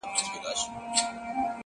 ته له قلف دروازې; یو خروار بار باسه;